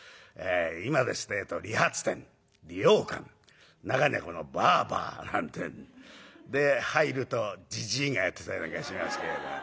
今ですってえと理髪店理容館中にはこの「バーバー」なんて。で入るとじじいがやってたりなんかしますけれど。